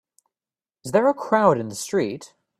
Is there a crowd in the street?